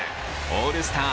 オールスター